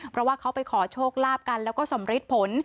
เพราะว่าเขาไปขอโชคลาภกันแล้วก็สำริดผล